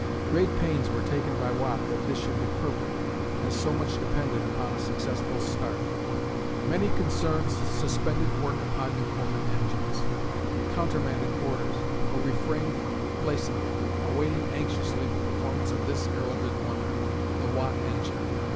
Great pains were taken by Watt that this should be perfect, as so much depended upon a successful start. Many concerns suspended work upon Newcomen engines, countermanded orders, or refrained from placing them, awaiting anxiously the performance of this heralded wonder, the Watt engine.